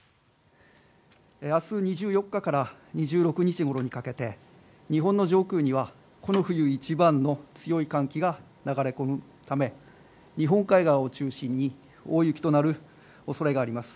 あす２４日から２６日ごろにかけて、日本の上空には、この冬一番の強い寒気が流れ込むため、日本海側を中心に大雪となるおそれがあります。